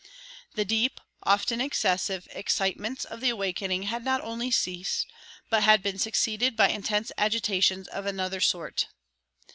The deep, often excessive, excitements of the Awakening had not only ceased, but had been succeeded by intense agitations of another sort.